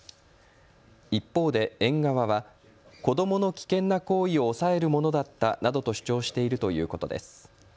一方で園側は子どもの危険な行為を抑えるものだったなどと主張しているということです。